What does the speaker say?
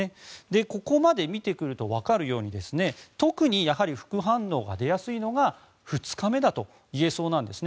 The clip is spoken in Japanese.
ここまで見てくるとわかるように特に副反応が出やすいのが２日目だといえそうです。